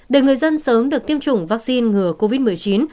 để người dân sớm được tiêm chủng vaccine ngừa covid một mươi chín